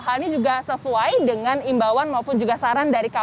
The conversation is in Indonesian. hal ini juga sesuai dengan imbauan momen dan perubahan yang diperlukan oleh pemerintah